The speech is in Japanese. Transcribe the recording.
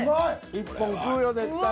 １本食うよ絶対。